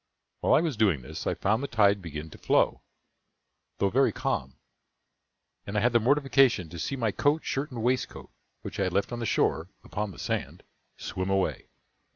While I was doing this, I found the tide begin to flow, though very calm; and I had the mortification to see my coat, shirt, and waistcoat, which I had left on the shore, upon the sand, swim away.